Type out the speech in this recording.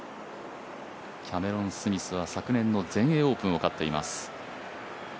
キャメロン・スミスは昨年の全英オープンを勝っています。